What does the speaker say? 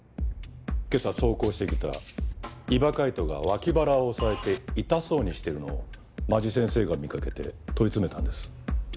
今朝登校してきた伊庭海斗が脇腹を押さえて痛そうにしているのを間地先生が見かけて問い詰めたんです。